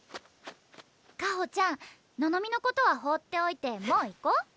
香穂ちゃんののみのことは放っておいてもう行こう。